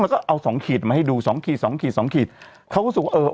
แล้วก็เอาสองขีดมาให้ดูสองขีดสองขีดสองขีดเขาก็รู้สึกว่าเออ